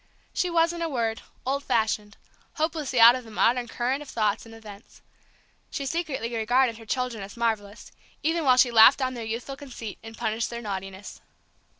She was, in a word, old fashioned, hopelessly out of the modern current of thoughts and events. She secretly regarded her children as marvellous, even while she laughed down their youthful conceit and punished their naughtiness.